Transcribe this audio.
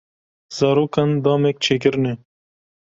Zarokan damek çêkirine.